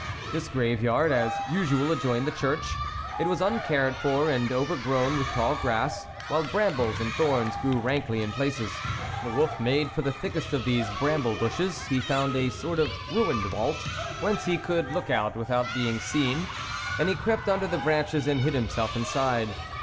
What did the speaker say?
This graveyard as usual adjoined the church; it was uncared for, and overgrown with tall grass, while brambles and thorns grew rankly in places. The wolf made for the thickest of these bramble bushes ; he found a sort of ruined vault, whence he could look out without being seen, and he crept under the branches and hid himself inside.